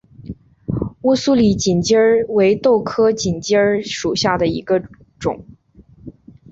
乌苏里锦鸡儿为豆科锦鸡儿属下的一个种。